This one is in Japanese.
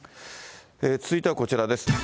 続いてはこちらです。